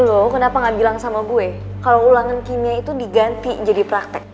loh kenapa gak bilang sama gue kalau ulangan kimia itu diganti jadi praktek